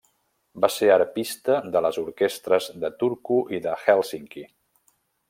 Va ser arpista de les orquestres de Turku i de Hèlsinki.